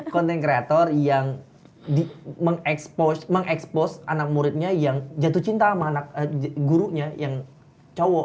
content creator yang mengekspos anak muridnya yang jatuh cinta sama anak gurunya yang cowok